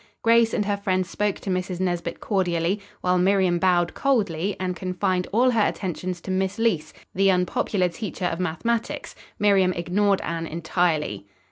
Grace and her friends spoke to Mrs. Nesbit cordially, while Miriam bowed coldly and confined all her attentions to Miss Leece, the unpopular teacher of mathematics. Miriam ignored Anne entirely.